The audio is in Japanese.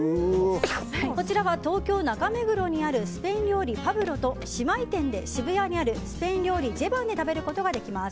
こちらは東京・中目黒にあるスペイン料理パブロと姉妹店で渋谷にあるスペイン料理ジェバンで食べることができます。